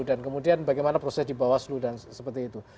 dan kemudian bagaimana proses di bawah seluruh dan seperti itu